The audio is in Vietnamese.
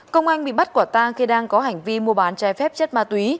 công anh bị bắt quả tang khi đang có hành vi mua bán trái phép chất ma túy